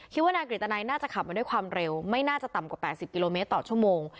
คิดว่านายกฤตนัยน่าจะขับมาด้วยความเร็วไม่น่าจะต่ำกว่า๘๐กิโลเมตรต่อชั่วโมง